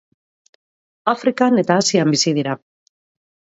Afrikan eta Asian bizi dira.